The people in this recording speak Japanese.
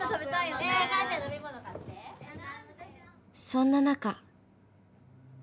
［そんな中］